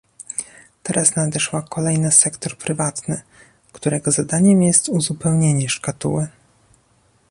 Teraz nadeszła kolej na sektor prywatny, którego zadaniem jest uzupełnienie szkatuły